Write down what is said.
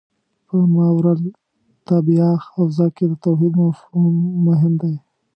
په ماورا الطبیعه حوزه کې د توحید مفهوم مهم دی.